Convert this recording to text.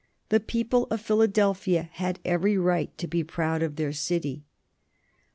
The people of Philadelphia had every right to be proud of their city.